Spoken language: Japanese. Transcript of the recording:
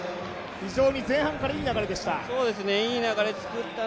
非常に前半からいい流れでした。